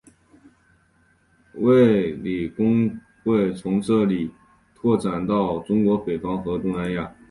卫理公会从这里扩展到中国北方和东南亚。